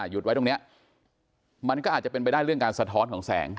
หยุดไว้ตรงนี้มันก็อาจจะเป็นไปได้เรื่องการสะท้อนของแสง